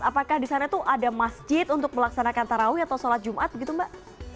apakah di sana tuh ada masjid untuk melaksanakan tarawih atau sholat jumat begitu mbak